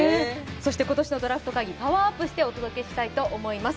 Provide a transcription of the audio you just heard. そして、今年のドラフト会議、パワーアップしてお届けしたいと思います。